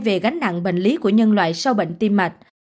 về gánh nặng bệnh lý của nhân loại sâu bệnh tim mạch